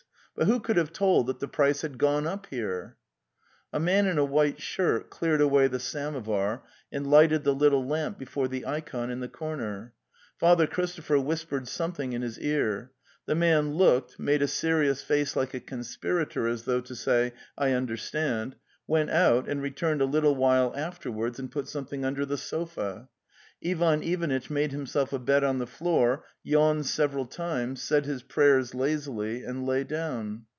But who could have told that the price had) gone up herer A man in a white shirt cleared away the samovar and lighted the little lamp before the ikon in the corner. Father Christopher whispered something in his ear; the man looked, made a serious face like a conspirator, as though to say, 'I understand," went out, and returned a little while afterwards and put something under the sofa. Ivan Ivanitch made himself a bed on the floor, yawned several times, said his prayers lazily, and lay down.